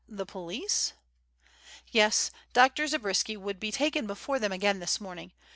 The police?" "Yes, Dr. Zabriskie would be taken before them again this morning.